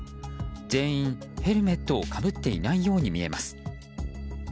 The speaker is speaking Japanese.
全員ヘルメットをかぶっていないように見えます。